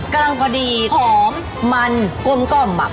กำลังประดีร้อนกล้องมันใส่